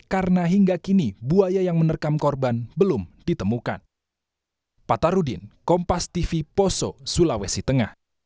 karena hingga kini buaya yang menerkam korban belum ditemukan